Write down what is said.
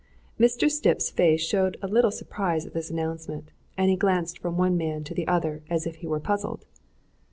Mr. Stipp's face showed a little surprise at this announcement, and he glanced from one man to the other as if he were puzzled.